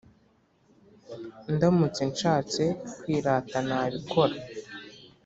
Ndamutse nshatse kwirata nabikora